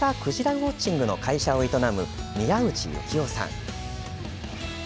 ウォッチングの会社を営む宮内幸雄さん。